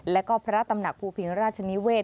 แล้วก็พระตำหนักภูพิงราชนิเวศ